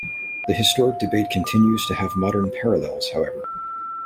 The historic debate continues to have modern parallels, however.